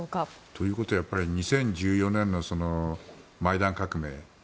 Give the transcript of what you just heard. ということは２０１４年の革命。